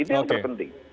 itu yang terpenting